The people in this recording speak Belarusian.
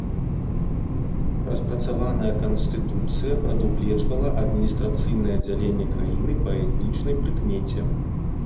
Распрацаваная канстытуцыя прадугледжвала адміністрацыйнае дзяленне краіны па этнічнай прыкмеце.